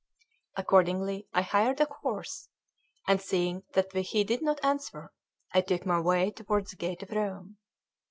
Accordingly I hired a horse; and seeing that he did not answer, I took my way toward the gate of Rome.